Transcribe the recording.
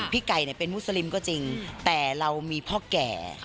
ไก่เป็นมุสลิมก็จริงแต่เรามีพ่อแก่